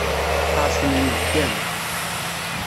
Ḥeṛcen yibekkan.